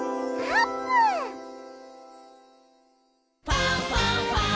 「ファンファンファン」